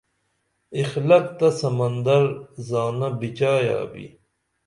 اخلاق تہ سمندر زانہ بِچایا بھی